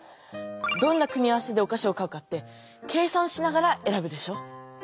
どんな組み合わせでおかしを買うかって計算しながらえらぶでしょ？